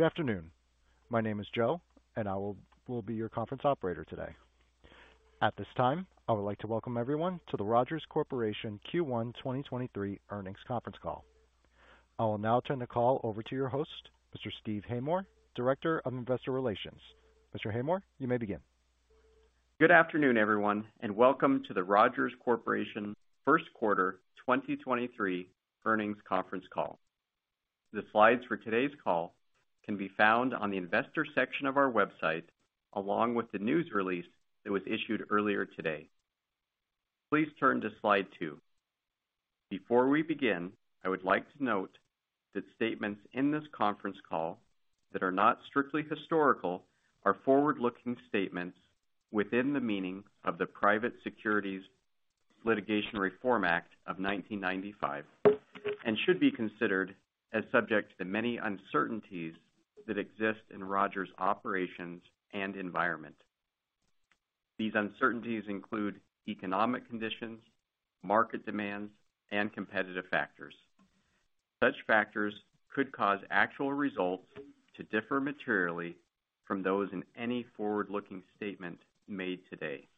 Good afternoon. My name is Joe. I will be your conference operator today. At this time, I would like to welcome everyone to the Rogers Corporation Q1 2023 Earnings Conference Call. I will now turn the call over to your host, Mr. Steve Haymore, Director of Investor Relations. Mr. Haymore, you may begin. Good afternoon, everyone, welcome to the Rogers Corporation 1st Quarter 2023 Earnings Conference Call. The slides for today's call can be found on the investor section of our website, along with the news release that was issued earlier today. Please turn to slide 2. Before we begin, I would like to note that statements in this conference call that are not strictly historical are forward-looking statements within the meaning of the Private Securities Litigation Reform Act of 1995 and should be considered as subject to the many uncertainties that exist in Rogers' operations and environment. These uncertainties include economic conditions, market demands, and competitive factors. Such factors could cause actual results to differ materially from those in any forward-looking statement made today.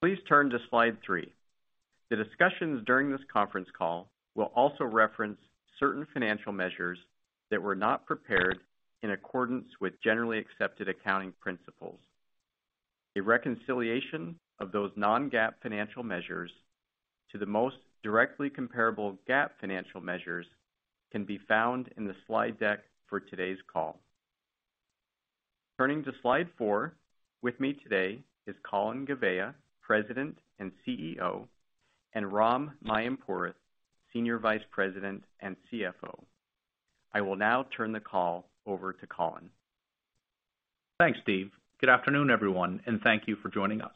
Please turn to slide 3. The discussions during this conference call will also reference certain financial measures that were not prepared in accordance with generally accepted accounting principles. A reconciliation of those non-GAAP financial measures to the most directly comparable GAAP financial measures can be found in the slide deck for today's call. Turning to slide 4, with me today is Colin Gouveia, President and CEO, and Ram Mayampurath, Senior Vice President and CFO. I will now turn the call over to Colin. Thanks, Steve. Good afternoon, everyone, and thank you for joining us.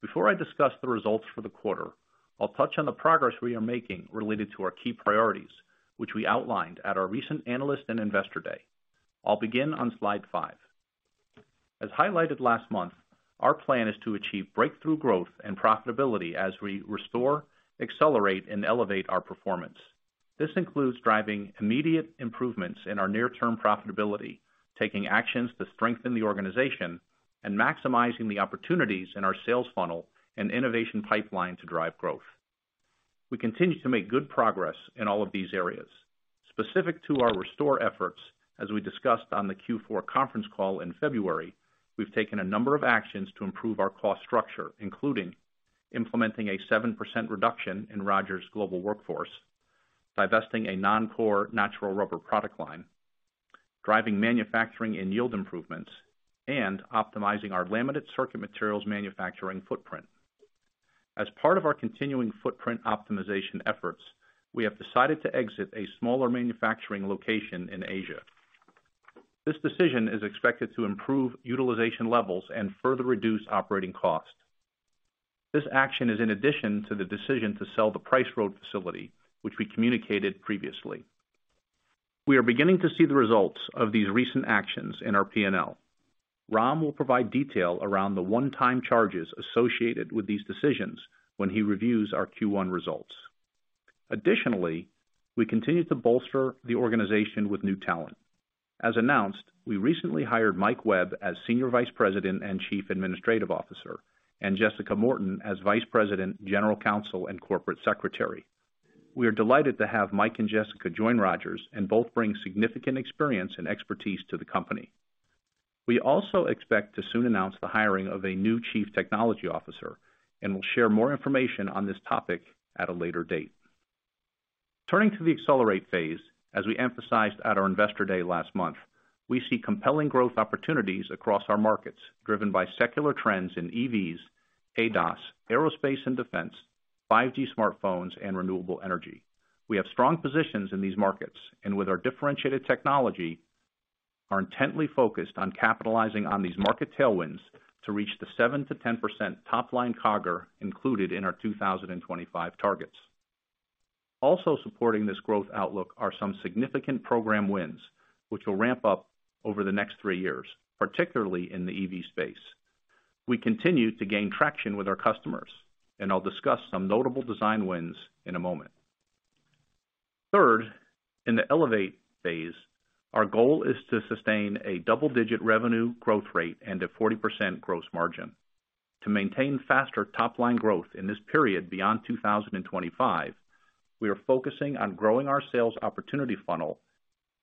Before I discuss the results for the quarter, I'll touch on the progress we are making related to our key priorities, which we outlined at our recent Analyst and Investor Day. I'll begin on slide 5. As highlighted last month, our plan is to achieve breakthrough growth and profitability as we restore, accelerate, and elevate our performance. This includes driving immediate improvements in our near-term profitability, taking actions to strengthen the organization, and maximizing the opportunities in our sales funnel and innovation pipeline to drive growth. We continue to make good progress in all of these areas. Specific to our restore efforts, as we discussed on the Q4 conference call in February, we've taken a number of actions to improve our cost structure, including implementing a 7% reduction in Rogers' global workforce, divesting a non-core natural rubber product line, driving manufacturing and yield improvements, and optimizing our laminated circuit materials manufacturing footprint. Part of our continuing footprint optimization efforts, we have decided to exit a smaller manufacturing location in Asia. This decision is expected to improve utilization levels and further reduce operating costs. This action is in addition to the decision to sell the Price Road facility, which we communicated previously. We are beginning to see the results of these recent actions in our P&L. Ram will provide detail around the one-time charges associated with these decisions when he reviews our Q1 results. We continue to bolster the organization with new talent. Announced, we recently hired Mike Webb as Senior Vice President and Chief Administrative Officer, and Jessica Morton as Vice President, General Counsel, and Corporate Secretary. We are delighted to have Mike and Jessica join Rogers, both bring significant experience and expertise to the company. We also expect to soon announce the hiring of a new Chief Technology Officer and will share more information on this topic at a later date. Turning to the Accelerate Phase, as we emphasized at our Investor Day last month, we see compelling growth opportunities across our markets, driven by secular trends in EVs, ADAS, aerospace and defense, 5G smartphones, and renewable energy. We have strong positions in these markets and with our differentiated technology are intently focused on capitalizing on these market tailwinds to reach the 7%-10% top-line CAGR included in our 2025 targets. Supporting this growth outlook are some significant program wins, which will ramp up over the next three years, particularly in the EV space. We continue to gain traction with our customers. I'll discuss some notable design wins in a moment. Third, in the Elevate Phase, our goal is to sustain a double-digit revenue growth rate and a 40% gross margin. To maintain faster top-line growth in this period beyond 2025, we are focusing on growing our sales opportunity funnel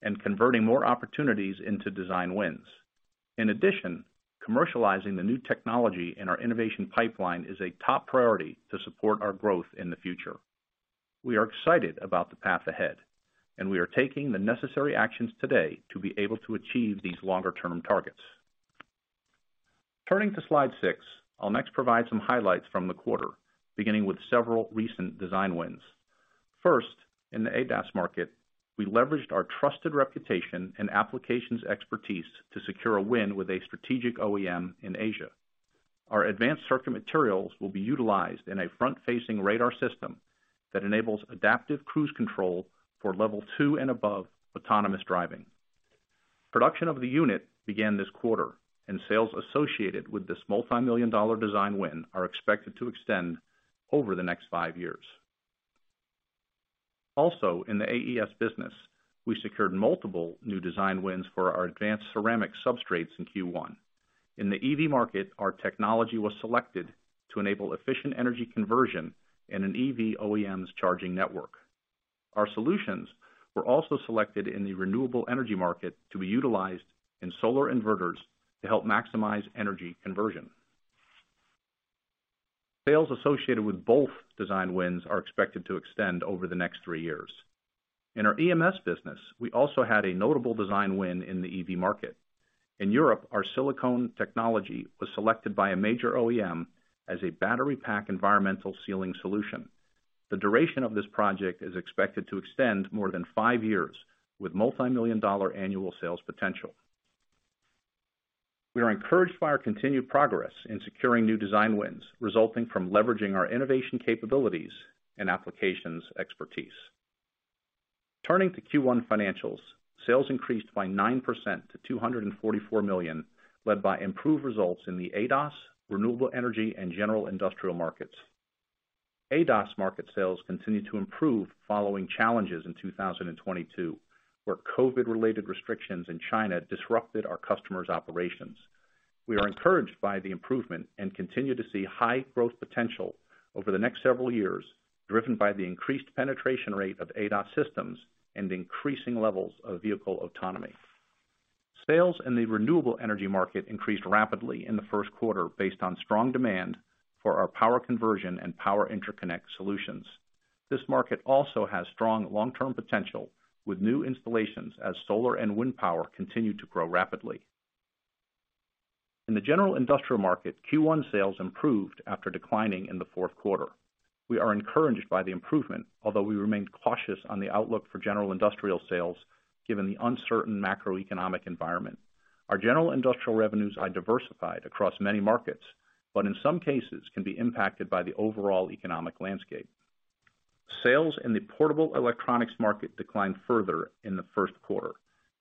and converting more opportunities into design wins. Commercializing the new technology in our innovation pipeline is a top priority to support our growth in the future. We are excited about the path ahead. We are taking the necessary actions today to be able to achieve these longer-term targets. Turning to slide six, I'll next provide some highlights from the quarter, beginning with several recent design wins. First, in the ADAS market, we leveraged our trusted reputation and applications expertise to secure a win with a strategic OEM in Asia. Our advanced circuit materials will be utilized in a front-facing radar system that enables adaptive cruise control for level two and above autonomous driving. Production of the unit began this quarter. Sales associated with this multimillion-dollar design win are expected to extend over the next five years. In the AES business, we secured multiple new design wins for our advanced ceramic substrates in Q1. In the EV market, our technology was selected to enable efficient energy conversion in an EV OEM's charging network. Our solutions were also selected in the renewable energy market to be utilized in solar inverters to help maximize energy conversion. Sales associated with both design wins are expected to extend over the next three years. In our EMS business, we also had a notable design win in the EV market. In Europe, our silicone technology was selected by a major OEM as a battery pack environmental sealing solution. The duration of this project is expected to extend more than five years with multi-million dollar annual sales potential. We are encouraged by our continued progress in securing new design wins resulting from leveraging our innovation capabilities and applications expertise. Turning to Q1 financials, sales increased by 9% to $244 million, led by improved results in the ADAS, renewable energy, and general industrial markets. ADAS market sales continued to improve following challenges in 2022, where COVID-related restrictions in China disrupted our customers' operations. We are encouraged by the improvement and continue to see high growth potential over the next several years, driven by the increased penetration rate of ADAS systems and increasing levels of vehicle autonomy. Sales in the renewable energy market increased rapidly in the first quarter based on strong demand for our power conversion and power interconnect solutions. This market also has strong long-term potential with new installations as solar and wind power continue to grow rapidly. In the general industrial market, Q1 sales improved after declining in the fourth quarter. We are encouraged by the improvement, although we remain cautious on the outlook for general industrial sales given the uncertain macroeconomic environment. Our general industrial revenues are diversified across many markets, but in some cases can be impacted by the overall economic landscape. Sales in the portable electronics market declined further in the first quarter.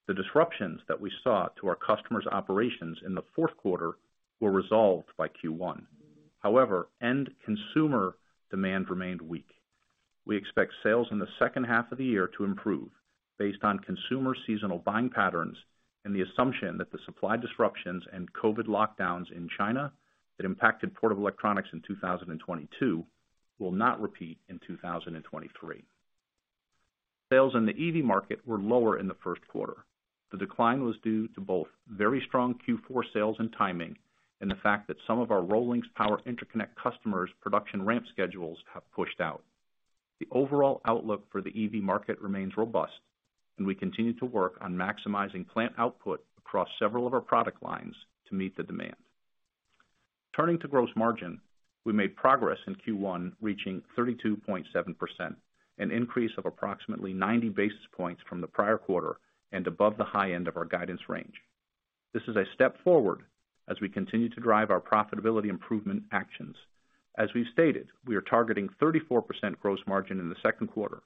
The disruptions that we saw to our customers' operations in the fourth quarter were resolved by Q1. End consumer demand remained weak. We expect sales in the second half of the year to improve based on consumer seasonal buying patterns and the assumption that the supply disruptions and COVID lockdowns in China that impacted portable electronics in 2022 will not repeat in 2023. Sales in the EV market were lower in the first quarter. The decline was due to both very strong Q4 sales and timing, and the fact that some of our ROLINX Power Interconnect customers' production ramp schedules have pushed out. The overall outlook for the EV market remains robust. We continue to work on maximizing plant output across several of our product lines to meet the demand. Turning to Gross margin, we made progress in Q1, reaching 32.7%, an increase of approximately 90 basis points from the prior quarter and above the high end of our guidance range. This is a step forward as we continue to drive our profitability improvement actions. As we've stated, we are targeting 34% gross margin in the second quarter,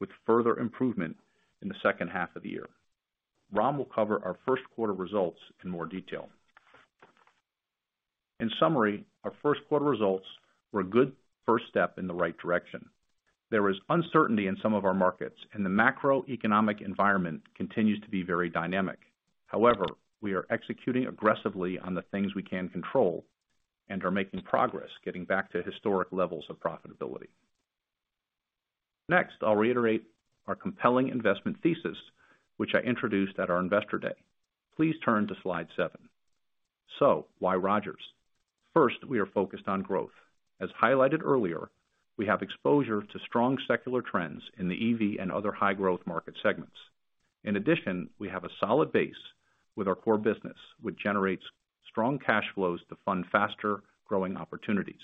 with further improvement in the second half of the year. Ram will cover our first quarter results in more detail. In summary, our first quarter results were a good first step in the right direction. There is uncertainty in some of our markets, and the macroeconomic environment continues to be very dynamic. However, we are executing aggressively on the things we can control and are making progress getting back to historic levels of profitability. Next, I'll reiterate our compelling investment thesis, which I introduced at our Investor Day. Please turn to slide 7. Why Rogers? First, we are focused on growth. As highlighted earlier, we have exposure to strong secular trends in the EV and other high growth market segments. In addition, we have a solid base with our core business, which generates strong cash flows to fund faster-growing opportunities.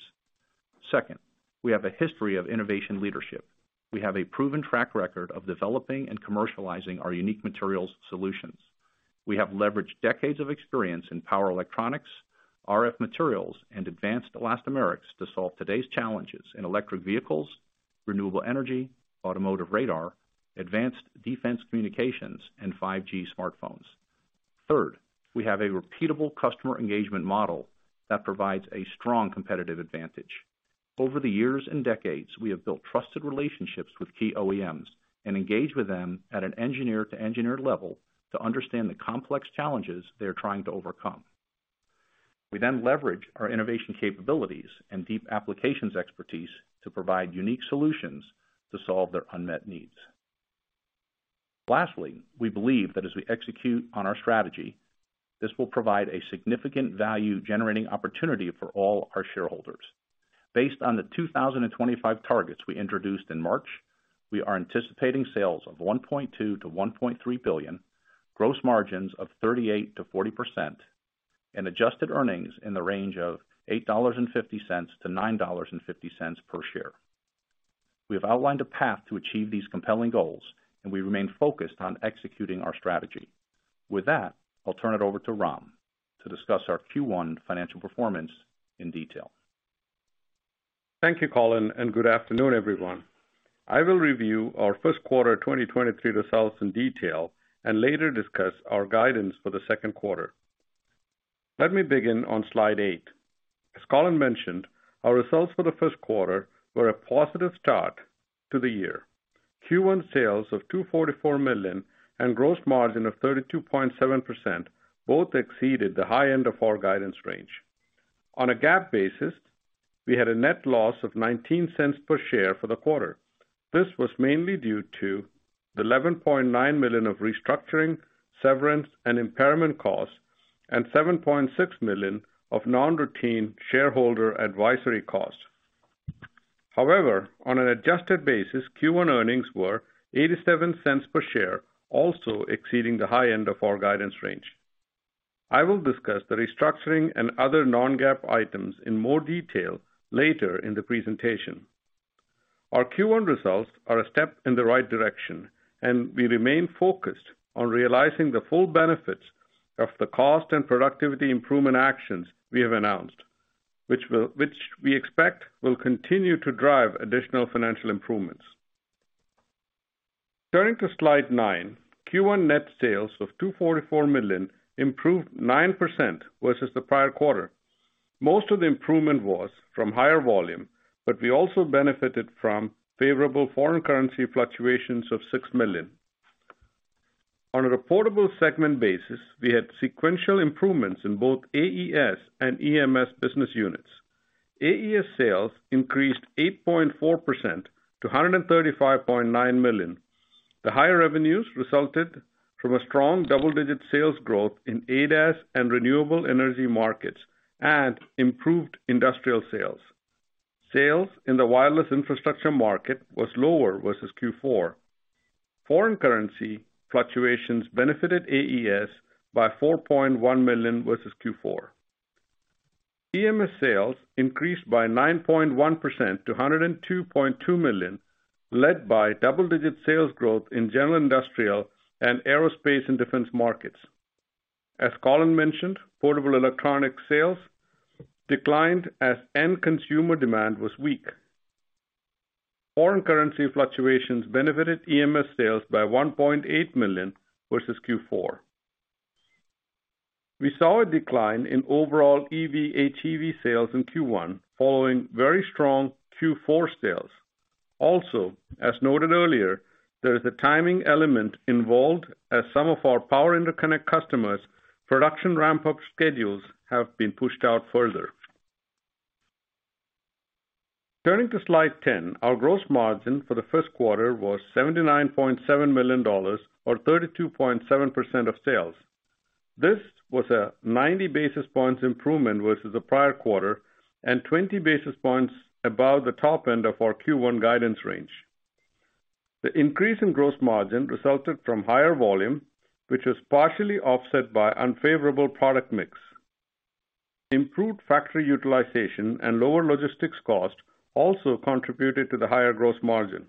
Second, we have a history of innovation leadership. We have a proven track record of developing and commercializing our unique materials solutions. We have leveraged decades of experience in power electronics, RF materials, and advanced elastomeric to solve today's challenges in electric vehicles, renewable energy, automotive radar, advanced defense communications, and 5G smartphones. Third, we have a repeatable customer engagement model that provides a strong competitive advantage. Over the years and decades, we have built trusted relationships with key OEMs and engage with them at an engineer-to-engineer level to understand the complex challenges they are trying to overcome. We then leverage our innovation capabilities and deep applications expertise to provide unique solutions to solve their unmet needs. We believe that as we execute on our strategy, this will provide a significant value-generating opportunity for all our shareholders. Based on the 2025 targets we introduced in March, we are anticipating sales of $1.2 billion-$1.3 billion, gross margins of 38%-40%, and adjusted earnings in the range of $8.50-$9.50 per share. We have outlined a path to achieve these compelling goals. We remain focused on executing our strategy. With that, I'll turn it over to Ram to discuss our Q1 financial performance in detail. Thank you, Colin. Good afternoon, everyone. I will review our first quarter of 2023 results in detail and later discuss our guidance for the second quarter. Let me begin on slide 8. As Colin mentioned, our results for the first quarter were a positive start to the year. Q1 sales of $244 million and gross margin of 32.7% both exceeded the high end of our guidance range. On a GAAP basis, we had a net loss of $0.19 per share for the quarter. This was mainly due to the $11.9 million of restructuring, severance, and impairment costs, and $7.6 million of non-routine shareholder advisory costs. On an adjusted basis, Q1 earnings were $0.87 per share, also exceeding the high end of our guidance range. I will discuss the restructuring and other non-GAAP items in more detail later in the presentation. Our Q1 results are a step in the right direction, and we remain focused on realizing the full benefits of the cost and productivity improvement actions we have announced, which we expect will continue to drive additional financial improvements. Turning to slide 9, Q1 net sales of $244 million improved 9% versus the prior quarter. Most of the improvement was from higher volume, but we also benefited from favorable foreign currency fluctuations of $6 million. On a reportable segment basis, we had sequential improvements in both AES and EMS business units. AES sales increased 8.4% to $135.9 million. The higher revenues resulted from a strong double-digit sales growth in ADAS and renewable energy markets and improved industrial sales. Sales in the wireless infrastructure market was lower versus Q4. Foreign currency fluctuations benefited AES by $4.1 million versus Q4. EMS sales increased by 9.1% to $102.2 million, led by double-digit sales growth in general industrial and aerospace and defense markets. As Colin mentioned, portable electronic sales declined as end consumer demand was weak. Foreign currency fluctuations benefited EMS sales by $1.8 million versus Q4. We saw a decline in overall EV HEV sales in Q1 following very strong Q4 sales. Also, as noted earlier, there is a timing element involved as some of our power interconnect customers' production ramp-up schedules have been pushed out further. Turning to slide 10, our gross margin for the first quarter was $79.7 million or 32.7% of sales. This was a 90 basis points improvement versus the prior quarter and 20 basis points above the top end of our Q1 guidance range. The increase in gross margin resulted from higher volume, which was partially offset by unfavorable product mix. Improved factory utilization and lower logistics cost also contributed to the higher gross margin.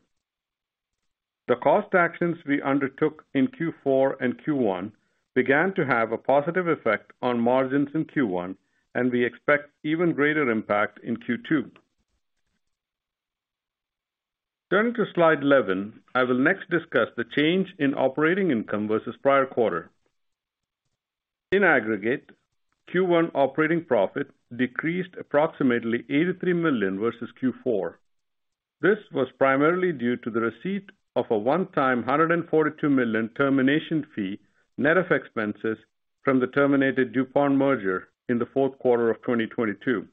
The cost actions we undertook in Q4 and Q1 began to have a positive effect on margins in Q1, and we expect even greater impact in Q2. Turning to slide 11, I will next discuss the change in operating income versus prior quarter. In aggregate, Q1 operating profit decreased approximately $83 million versus Q4. This was primarily due to the receipt of a one-time $142 million termination fee net of expenses from the terminated DuPont merger in the fourth quarter of 2022.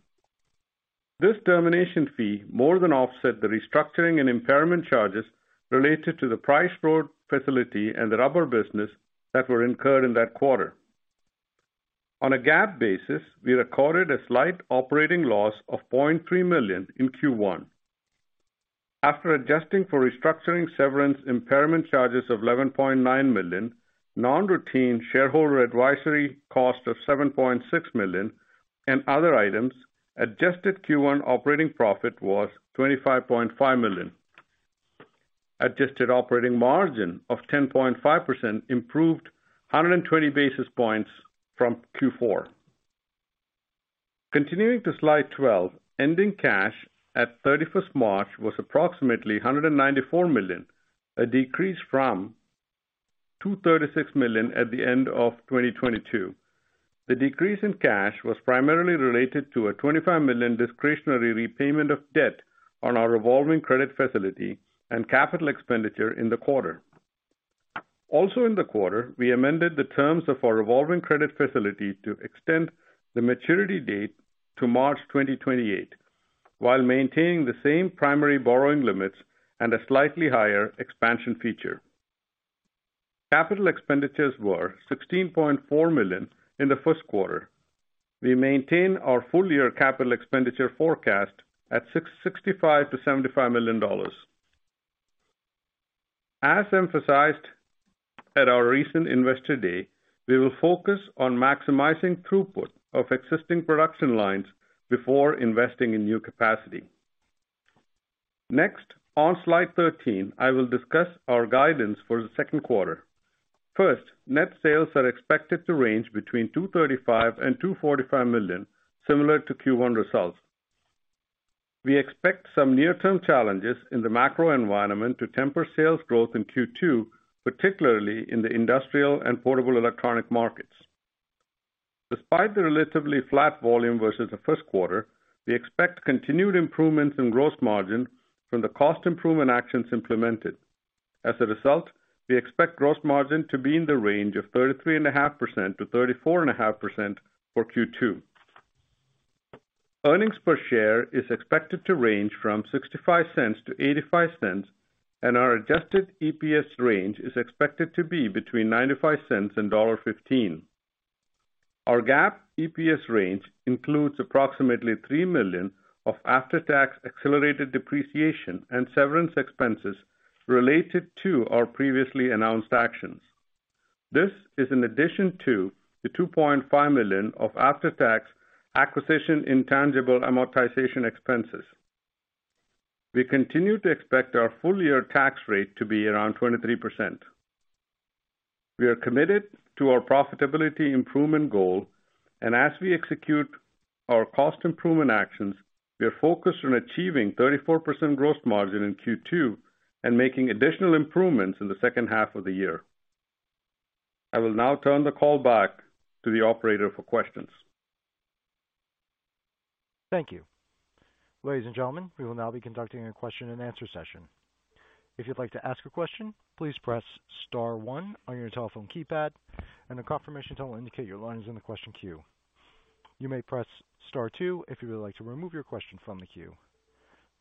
This termination fee more than offset the restructuring and impairment charges related to the Price Road facility and the rubber business that were incurred in that quarter. On a GAAP basis, we recorded a slight operating loss of $0.3 million in Q1. After adjusting for restructuring severance impairment charges of $11.9 million, non-routine shareholder advisory cost of $7.6 million, and other items, adjusted Q1 operating profit was $25.5 million. Adjusted operating margin of 10.5% improved 120 basis points from Q4. Continuing to slide 12, ending cash at thirty-first March was approximately $194 million, a decrease from $236 million at the end of 2022. The decrease in cash was primarily related to a $25 million discretionary repayment of debt on our revolving credit facility and capital expenditure in the quarter. Also in the quarter, we amended the terms of our revolving credit facility to extend the maturity date to March 2028, while maintaining the same primary borrowing limits and a slightly higher expansion feature. Capital expenditures were $16.4 million in the first quarter. We maintain our full year capital expenditure forecast at $65 million-$75 million. As emphasized at our recent Investor Day, we will focus on maximizing throughput of existing production lines before investing in new capacity. Next, on slide 13, I will discuss our guidance for the second quarter. First, net sales are expected to range between $235 million and $245 million, similar to Q1 results. We expect some near-term challenges in the macro environment to temper sales growth in Q2, particularly in the industrial and portable electronic markets. Despite the relatively flat volume versus the first quarter, we expect continued improvements in gross margin from the cost improvement actions implemented. As a result, we expect gross margin to be in the range of 33.5%-34.5% for Q2. Earnings per share is expected to range from $0.65-$0.85, and our adjusted EPS range is expected to be between $0.95 and $1.15. Our GAAP EPS range includes approximately $3 million of after-tax accelerated depreciation and severance expenses related to our previously announced actions. This is in addition to the $2.5 million of after-tax acquisition intangible amortization expenses. We continue to expect our full year tax rate to be around 23%. We are committed to our profitability improvement goal, and as we execute our cost improvement actions, we are focused on achieving 34% gross margin in Q2 and making additional improvements in the second half of the year. I will now turn the call back to the operator for questions. Thank you. Ladies and gentlemen, we will now be conducting a question and answer session. If you'd like to ask a question, please press star 1 on your telephone keypad and a confirmation tone will indicate your line is in the question queue. You may press star 2 if you would like to remove your question from the queue.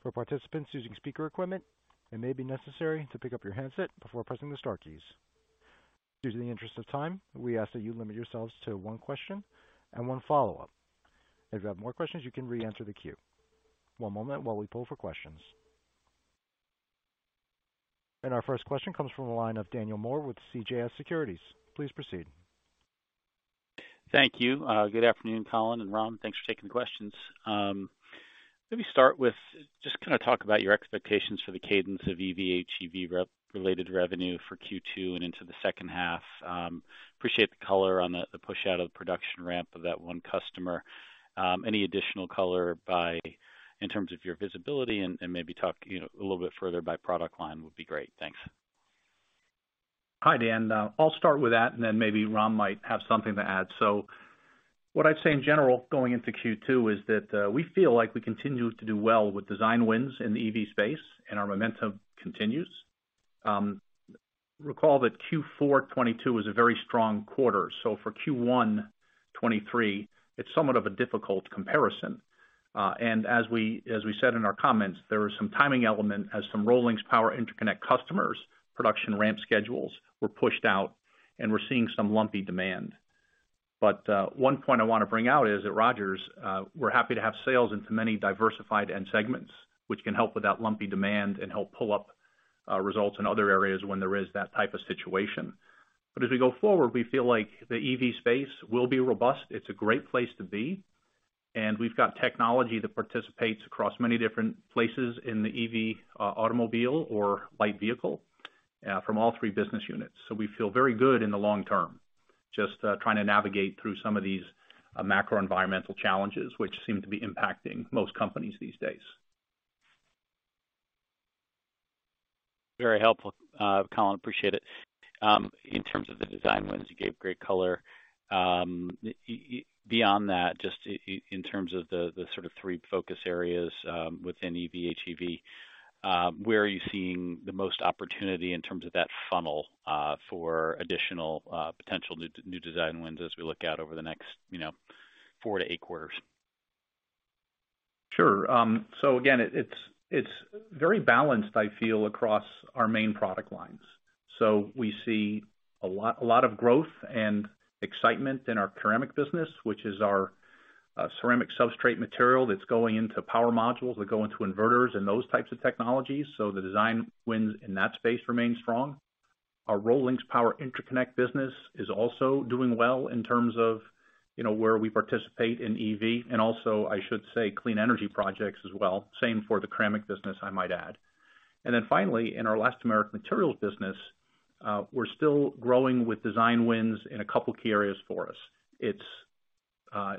For participants using speaker equipment, it may be necessary to pick up your handset before pressing the star keys. Due to the interest of time, we ask that you limit yourselves to 1 question and 1 follow-up. If you have more questions, you can re-enter the queue. One moment while we pull for questions. Our first question comes from the line of Daniel Moore with CJS Securities. Please proceed. Thank you. Good afternoon, Colin and Ram. Thanks for taking the questions. Let me start with just kinda talk about your expectations for the cadence of EV HEV re-related revenue for Q2 and into the second half. Appreciate the color on the push out of the production ramp of that one customer. Any additional color in terms of your visibility and maybe talk, you know, a little bit further by product line would be great. Thanks. Hi, Dan. I'll start with that, and then maybe Ram might have something to add. What I'd say in general going into Q2 is that we feel like we continue to do well with design wins in the EV space, and our momentum continues. Recall that Q4 2022 was a very strong quarter, so for Q1 2023, it's somewhat of a difficult comparison. And as we, as we said in our comments, there are some timing element as some ROLINX Power Interconnect customers' production ramp schedules were pushed out, and we're seeing some lumpy demand. One point I wanna bring out is at Rogers, we're happy to have sales into many diversified end segments, which can help with that lumpy demand and help pull up results in other areas when there is that type of situation. As we go forward, we feel like the EV space will be robust. It's a great place to be, and we've got technology that participates across many different places in the EV, automobile or light vehicle, from all three business units. We feel very good in the long term. Just trying to navigate through some of these macro environmental challenges, which seem to be impacting most companies these days. Very helpful, Colin, appreciate it. In terms of the design wins, you gave great color. Beyond that, just in terms of the sort of three focus areas, within EV HEV, where are you seeing the most opportunity in terms of that funnel, for additional, potential new design wins as we look out over the next, you know, 4-8 quarters? Sure. Again, it's very balanced, I feel, across our main product lines. We see a lot of growth and excitement in our ceramic business, which is our ceramic substrate material that's going into power modules that go into inverters and those types of technologies. The design wins in that space remain strong. Our ROLINX Power Interconnect business is also doing well in terms of, you know, where we participate in EV, and also, I should say, clean energy projects as well. Same for the ceramic business, I might add. Finally, in our elastomeric materials business, we're still growing with design wins in a couple key areas for us. It's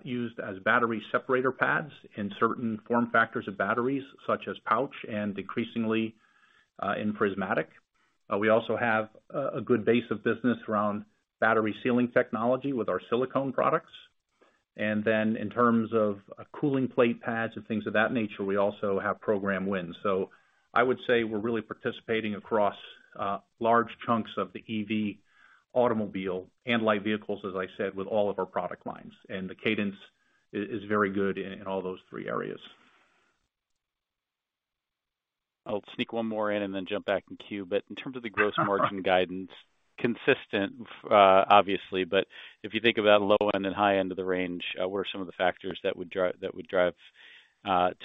used as battery separator pads in certain form factors of batteries, such as pouch and increasingly, in prismatic. We also have a good base of business around battery sealing technology with our silicone products. Then in terms of cooling plate pads and things of that nature, we also have program wins. I would say we're really participating across large chunks of the EV automobile and light vehicles, as I said, with all of our product lines. The cadence is very good in all those three areas. I'll sneak one more in and then jump back in queue. In terms of the gross margin guidance, consistent, obviously, but if you think about low end and high end of the range, what are some of the factors that would drive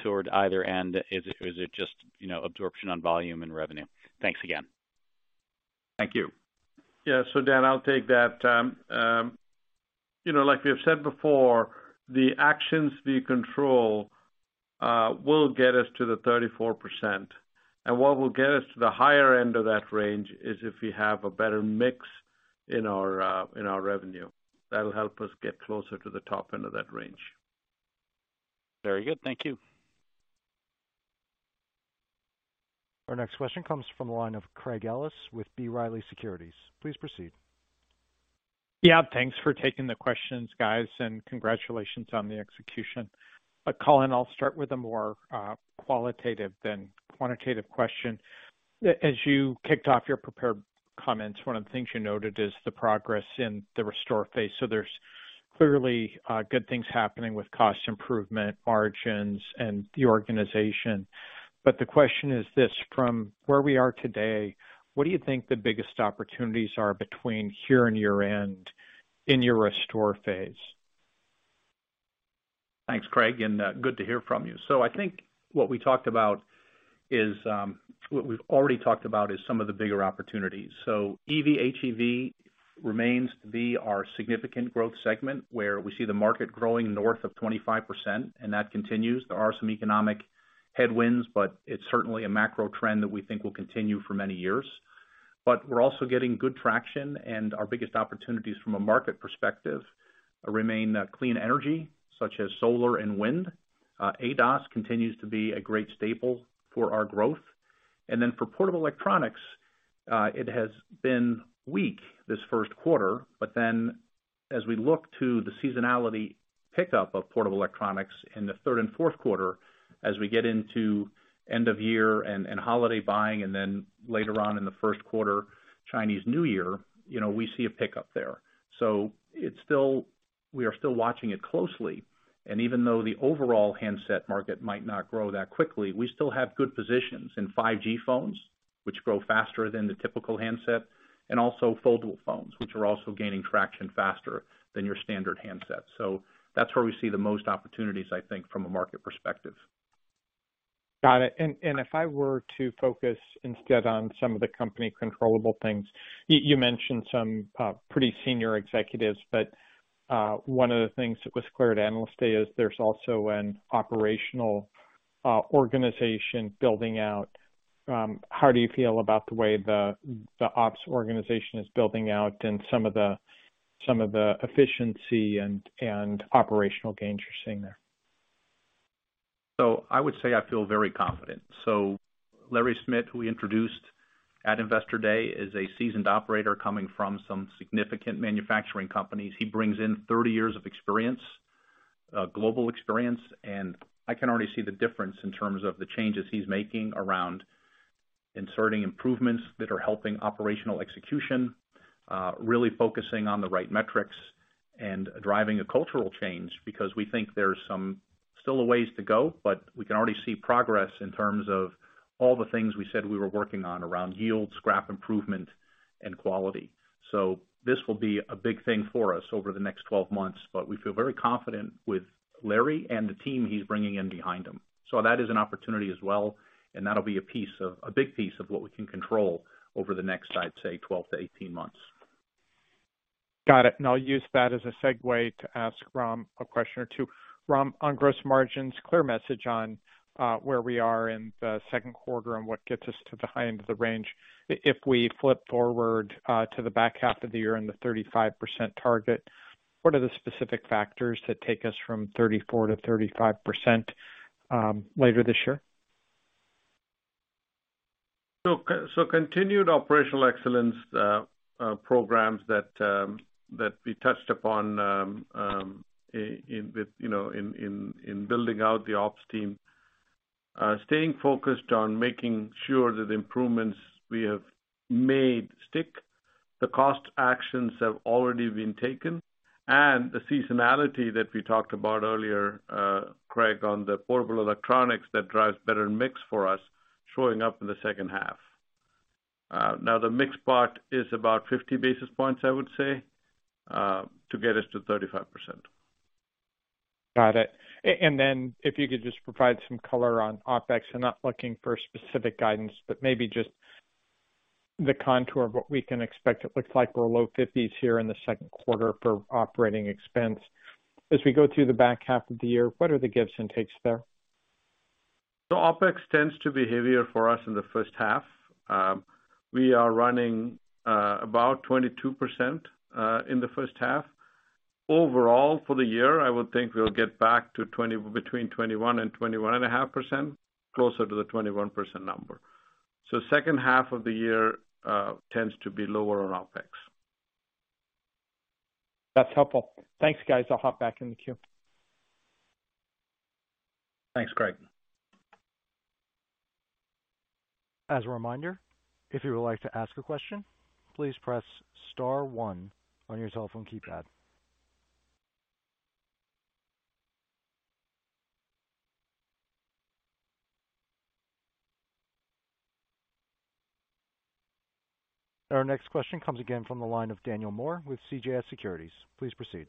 toward either end? Is it just, you know, absorption on volume and revenue? Thanks again. Thank you. Yeah. Dan, I'll take that. you know, like we have said before, the actions we control will get us to the 34%. What will get us to the higher end of that range is if we have a better mix-In our revenue. That'll help us get closer to the top end of that range. Very good. Thank you. Our next question comes from the line of Craig Ellis with B. Riley Securities. Please proceed. Yeah, thanks for taking the questions, guys, and congratulations on the execution. Colin, I'll start with a more qualitative than quantitative question. As you kicked off your prepared comments, one of the things you noted is the progress in the restore phase. There's clearly good things happening with cost improvement, margins, and the organization. The question is this, from where we are today, what do you think the biggest opportunities are between here and year-end in your restore phase? Thanks, Craig, good to hear from you. I think what we've already talked about is some of the bigger opportunities. EV/HEV remains to be our significant growth segment, where we see the market growing north of 25%, and that continues. There are some economic headwinds, but it's certainly a macro trend that we think will continue for many years. We're also getting good traction, and our biggest opportunities from a market perspective remain clean energy such as solar and wind. ADAS continues to be a great staple for our growth. For portable electronics, it has been weak this first quarter, as we look to the seasonality pickup of portable electronics in the third and fourth quarter, as we get into end of year and holiday buying, later on in the first quarter, Chinese New Year, you know, we see a pickup there. We are still watching it closely. Even though the overall handset market might not grow that quickly, we still have good positions in 5G phones, which grow faster than the typical handset, and also foldable phones, which are also gaining traction faster than your standard handsets. That's where we see the most opportunities, I think, from a market perspective. Got it. If I were to focus instead on some of the company controllable things, you mentioned some pretty senior executives, but, one of the things that was clear at Analyst Day is there's also an operational organization building out. How do you feel about the way the ops organization is building out and some of the efficiency and operational gains you're seeing there? I would say I feel very confident. Larry Schmid, who we introduced at Investor Day, is a seasoned operator coming from some significant manufacturing companies. He brings in 30 years of experience, global experience, and I can already see the difference in terms of the changes he's making around inserting improvements that are helping operational execution, really focusing on the right metrics and driving a cultural change because we think there's some still a ways to go, but we can already see progress in terms of all the things we said we were working on around yield, scrap improvement, and quality. This will be a big thing for us over the next 12 months, but we feel very confident with Larry and the team he's bringing in behind him. That is an opportunity as well, and that'll be a big piece of what we can control over the next, I'd say, 12-18 months. Got it. I'll use that as a segue to ask Ram a question or two. Ram, on gross margins, clear message on where we are in the second quarter and what gets us to the high end of the range. If we flip forward to the back half of the year and the 35% target, what are the specific factors that take us from 34%-35% later this year? Continued operational excellence programs that we touched upon, you know, in building out the ops team. Staying focused on making sure that the improvements we have made stick, the cost actions have already been taken, and the seasonality that we talked about earlier, Craig, on the portable electronics that drives better mix for us showing up in the second half. Now the mix part is about 50 basis points, I would say, to get us to 35%. Got it. Then if you could just provide some color on OpEx. I'm not looking for specific guidance, but maybe just the contour of what we can expect. It looks like we're low $50s here in the second quarter for operating expense. As we go through the back half of the year, what are the gives and takes there? OpEx tends to be heavier for us in the first half. We are running about 22% in the first half. Overall, for the year, I would think we'll get back to between 21% and 21.5%, closer to the 21% number. Second half of the year, tends to be lower on OpEx. That's helpful. Thanks, guys. I'll hop back in the queue. Thanks, Craig. As a reminder, if you would like to ask a question, please press star one on your telephone keypad. Our next question comes again from the line of Daniel Moore with CJS Securities. Please proceed.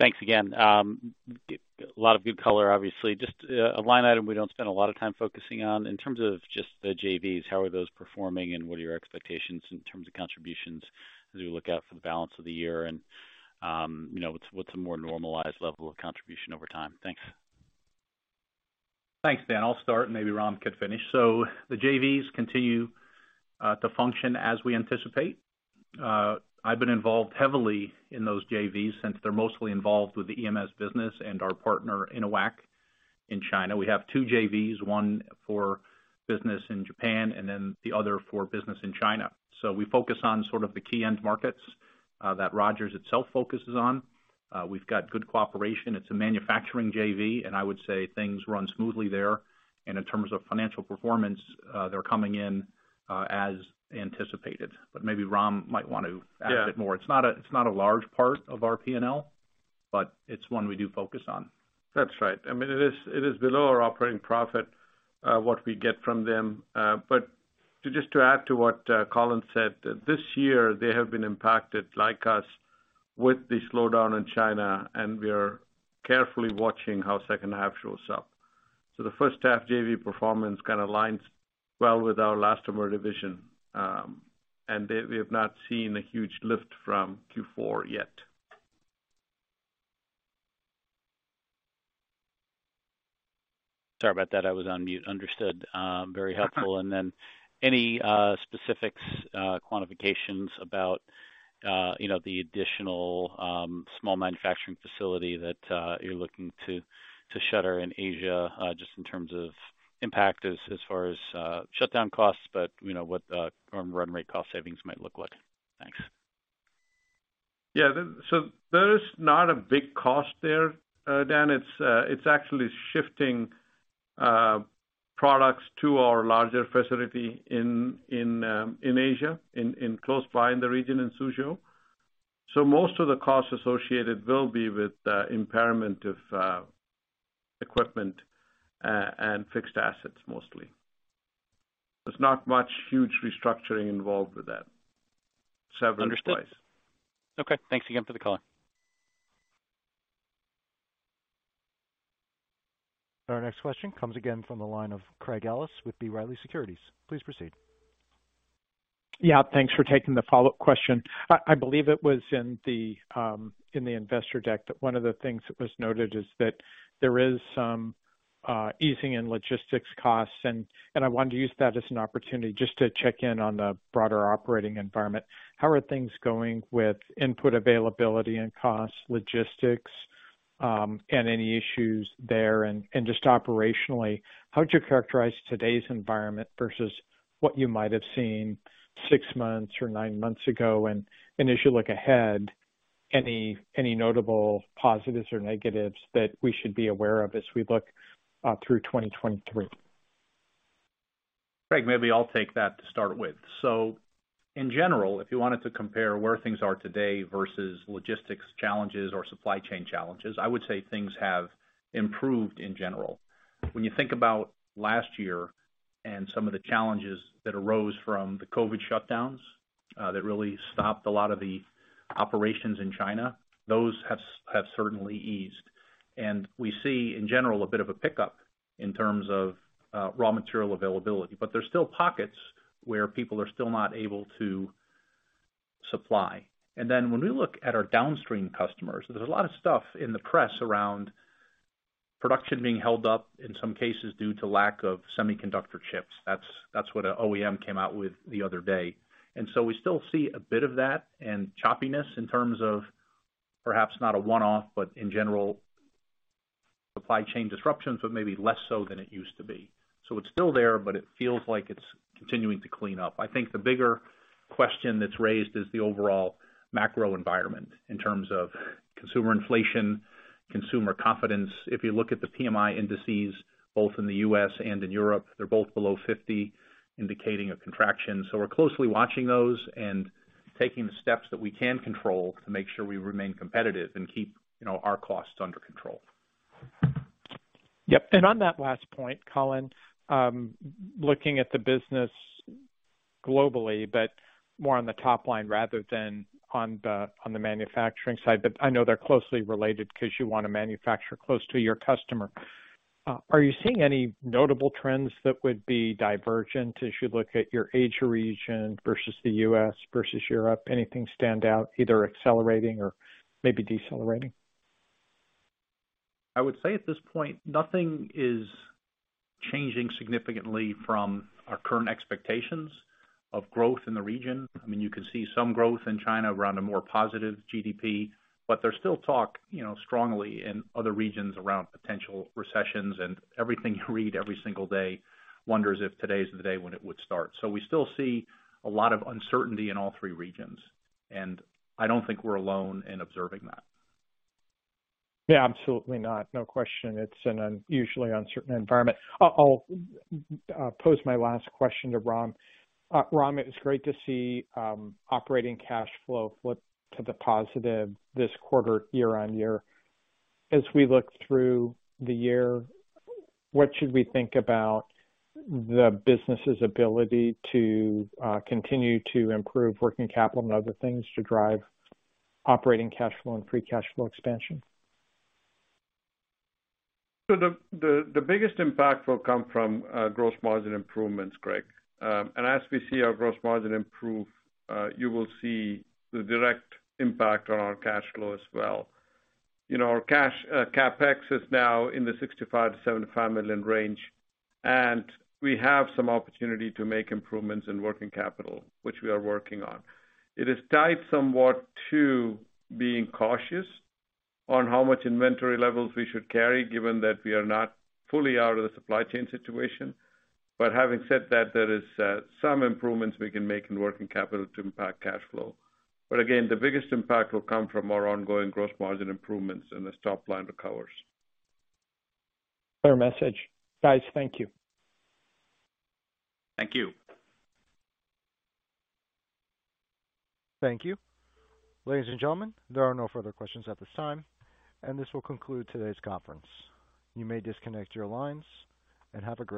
Thanks again. A lot of good color, obviously. Just a line item we don't spend a lot of time focusing on. In terms of just the JVs, how are those performing and what are your expectations in terms of contributions as we look out for the balance of the year? You know, what's a more normalized level of contribution over time? Thanks. Thanks, Dan. I'll start and maybe Ram could finish. The JVs continue to function as we anticipate. I've been involved heavily in those JVs since they're mostly involved with the EMS business and our partner in Inoac in China. We have two JVs, one for business in Japan and then the other for business in China. We focus on sort of the key end markets that Rogers itself focuses on. We've got good cooperation. It's a manufacturing JV, and I would say things run smoothly there. In terms of financial performance, they're coming in as anticipated. Maybe Ram might want to add a bit more. It's not a large part of our P&L, but it's one we do focus on. That's right. I mean, it is below our operating profit, what we get from them. To just to add to what Colin said, this year they have been impacted like us with the slowdown in China, and we are carefully watching how second half shows up. The first half JV performance kind of aligns well with our elastomer division. We have not seen a huge lift from Q4 yet. Sorry about that, I was on mute. Understood. Very helpful. Any specifics, quantifications about, you know, the additional small manufacturing facility that you're looking to shutter in Asia, just in terms of impact as far as shutdown costs, but you know, what the run rate cost savings might look like? Thanks. Yeah. There is not a big cost there, Dan. It's actually shifting products to our larger facility in Asia, in close by in the region in Suzhou. Most of the costs associated will be with the impairment of equipment and fixed assets mostly. There's not much huge restructuring involved with that. Severance-wise. Understood. Okay. Thanks again for the color. Our next question comes again from the line of Craig Ellis with B. Riley Securities. Please proceed. Yeah, thanks for taking the follow-up question. I believe it was in the investor deck that one of the things that was noted is that there is some easing in logistics costs, and I wanted to use that as an opportunity just to check in on the broader operating environment. How are things going with input availability and costs, logistics, and any issues there? Just operationally, how would you characterize today's environment versus what you might have seen six months or nine months ago? As you look ahead, any notable positives or negatives that we should be aware of as we look through 2023? Craig, maybe I'll take that to start with. In general, if you wanted to compare where things are today versus logistics challenges or supply chain challenges, I would say things have improved in general. When you think about last year and some of the challenges that arose from the COVID shutdowns that really stopped a lot of the operations in China, those have certainly eased. We see in general a bit of a pickup in terms of raw material availability, but there's still pockets where people are still not able to supply. When we look at our downstream customers, there's a lot of stuff in the press around production being held up in some cases due to lack of semiconductor chips. That's what an OEM came out with the other day. We still see a bit of that and choppiness in terms of perhaps not a one-off, but in general supply chain disruptions, but maybe less so than it used to be. It's still there, but it feels like it's continuing to clean up. I think the bigger question that's raised is the overall macro environment in terms of consumer inflation, consumer confidence. If you look at the PMI indices, both in the U.S. and in Europe, they're both below 50, indicating a contraction. We're closely watching those and taking the steps that we can control to make sure we remain competitive and keep, you know, our costs under control. Yep. On that last point, Colin, looking at the business globally, but more on the top line rather than on the manufacturing side, but I know they're closely related 'cause you wanna manufacture close to your customer. Are you seeing any notable trends that would be divergent as you look at your Asia region versus the U.S. versus Europe? Anything stand out, either accelerating or maybe decelerating? I would say at this point, nothing is changing significantly from our current expectations of growth in the region. I mean, you can see some growth in China around a more positive GDP, there's still talk, you know, strongly in other regions around potential recessions and everything you read every single day wonders if today's the day when it would start. We still see a lot of uncertainty in all three regions, and I don't think we're alone in observing that. Yeah, absolutely not. No question. It's an unusually uncertain environment. I'll pose my last question to Ram. Ram, it's great to see operating cash flow flip to the positive this quarter year-on-year. As we look through the year, what should we think about the business's ability to continue to improve working capital and other things to drive operating cash flow and free cash flow expansion? The biggest impact will come from gross margin improvements, Craig. As we see our gross margin improve, you will see the direct impact on our cash flow as well. You know, our cash CapEx is now in the $65 million-$75 million range, and we have some opportunity to make improvements in working capital, which we are working on. It is tied somewhat to being cautious on how much inventory levels we should carry, given that we are not fully out of the supply chain situation. Having said that, there is some improvements we can make in working capital to impact cash flow. Again, the biggest impact will come from our ongoing gross margin improvements and as top line recovers. Clear message. Guys, thank you. Thank you. Thank you. Ladies and gentlemen, there are no further questions at this time. This will conclude today's conference. You may disconnect your lines. Have a great day.